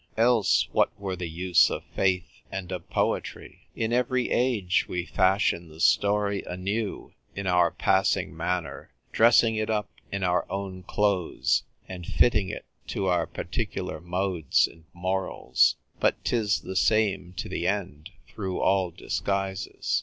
Else what were the use of faith and of poetry ? In every age we fashion the story anew in our passing manner, dressing it up in our own clothes, and fitting it to our l6 THE TV1'E \VRITER (JIKL. particular modes and morals. But 'tis the same to the end through all disguises.